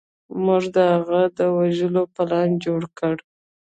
موږ د هغه د وژلو پلان جوړ کړ.